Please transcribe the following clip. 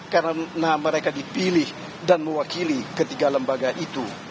karena mereka dipilih dan mewakili ketiga lembaga itu